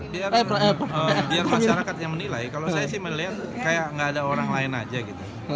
biar masyarakat yang menilai kalau saya sih melihat kayak nggak ada orang lain aja gitu